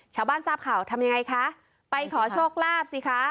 ชาวบ้านทราบข่าวทำยังไงคะไปขอโชคลาภสิคะ